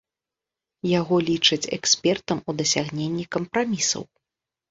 Яго лічаць экспертам у дасягненні кампрамісаў.